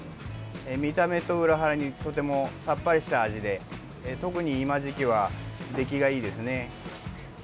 見た目と裏腹にとてもさっぱりした味で特に今時期は出来がいいですね。